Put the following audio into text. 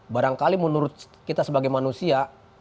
barangkali menurut kita sebagai manusia